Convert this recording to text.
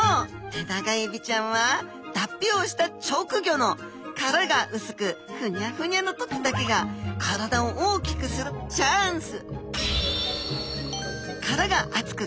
テナガエビちゃんは脱皮をした直後の殻が薄くふにゃふにゃの時だけが体を大きくするチャンス！